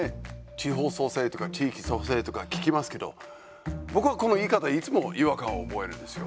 地方創生とか地域創生とか聞きますけど、僕は、この言い方いつも違和感を覚えるんですよ。